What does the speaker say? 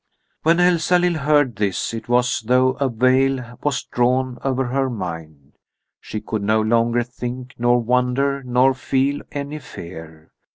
When Elsalill heard this it was as though a veil was drawn over her mind. She could no longer think nor wonder nor feel any fear.